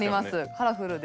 カラフルで。